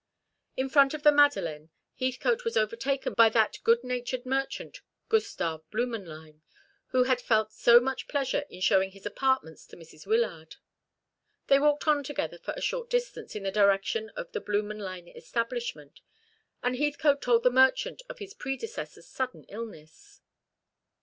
In front of the Madeleine Heathcote was overtaken by that good natured merchant, Gustav Blümenlein, who had felt so much pleasure in showing his apartments to Mrs. Wyllard. They walked on together for a short distance, in the direction of the Blümenlein establishment, and Heathcote told the merchant of his predecessor's sudden illness.